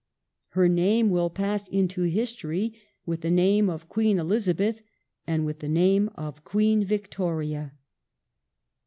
Her name will pass into history with the name of Queen Elizabeth, and with the name of Queen Victoria.